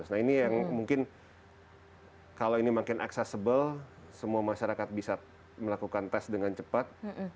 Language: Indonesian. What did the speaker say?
nah ini yang mungkin kalau ini makin accessible semua masyarakat bisa melakukan tes dengan cepat